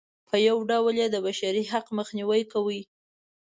په یوه ډول یې د بشري حق مخنیوی کوي.